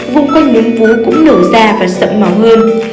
vùng quanh nung vú cũng nở ra và sậm màu hơn